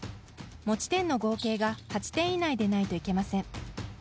持ち点の合計が８点以内でないといけません。